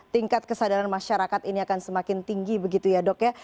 tingkat kesadaran masyarakat ini akan semakin tinggi begitu ya dok ya